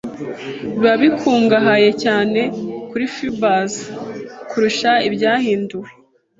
biba bikungahaye cyane kuri fibres kurusha ibyahinduwe